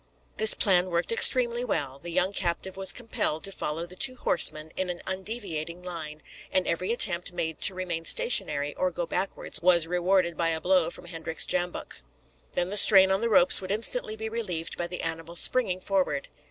This plan worked extremely well. The young captive was compelled to follow the two horsemen in an undeviating line; and every attempt made to remain stationary or go backwards was rewarded by a blow from Hendrik's jambok. Then the strain on the ropes would instantly be relieved by the animal springing forward.